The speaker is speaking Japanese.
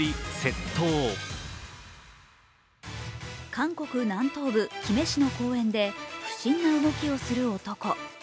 韓国南東部キメ市の公園で不審な動きをする男。